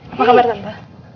apa kabar tante